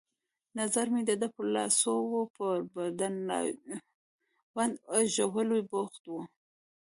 نظر مې د ده پر لاسو وو، په بنداژولو بوخت وو.